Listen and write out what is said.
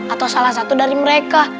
atau salah satu dari mereka